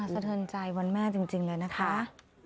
สะเทินใจวันแม่จริงเลยนะคะ